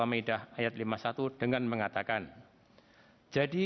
masyarakat kebeloan buneo